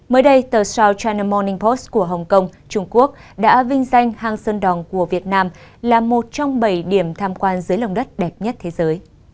mới đây tờ south china morning post của hồng kông trung quốc đã vinh danh hang sơn đòn của việt nam là một trong bảy điểm tham quan dưới lồng đất đẹp nhất thế giới